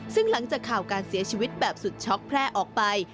ซึ่งหลังจากข่าวการเสียชีวิตแบบสุดช็อกแพร่ออกไป